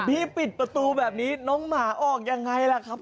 ปิดประตูแบบนี้น้องหมาออกยังไงล่ะครับ